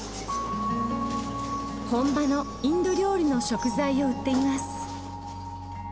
本場のインド料理の食材を売っています。